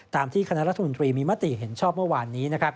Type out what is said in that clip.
ที่คณะรัฐมนตรีมีมติเห็นชอบเมื่อวานนี้